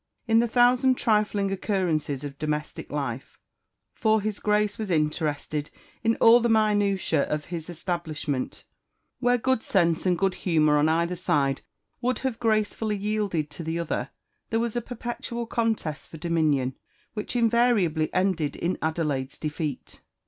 In the thousand trifling occurances of domestic life (for his Grace was interested in all the minutiae of his establishment), where good sense and good humour on either side would have gracefully yielded to the other, there was a perpetual contest for dominion, which invariably ended in Adelaide's defeat.